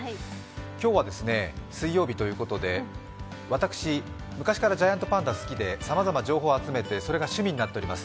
今日は水曜日ということで、私、昔からジャイアントパンダが好きでさまざま情報集めてそれが趣味になっております。